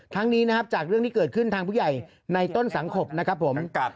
นี้นะครับจากเรื่องที่เกิดขึ้นทางผู้ใหญ่ในต้นสังคมนะครับผม